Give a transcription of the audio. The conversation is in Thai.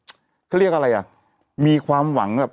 พี่อะเขาเรียกอะไรอะมีความหวัง